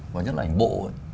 và nhất là ảnh bộ